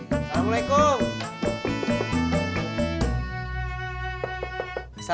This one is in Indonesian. ya ustaz sama adanya